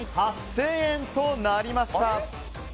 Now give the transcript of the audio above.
８０００円となりました。